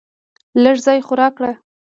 لږ ځای خو راکړه .